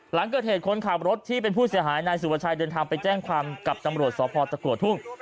หลังเกิดเหตุคนขับรถที่เป็นผู้เสียหายนายสุภาชัยเดินทางไปแจ้งความกับตำรวจสพตะกัวทุ่ง